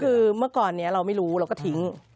คือเมื่อก่อนนี้เราไม่รู้เราก็ทิ้ง